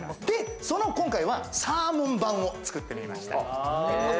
で、今回はそのサーモン版を作ってみました。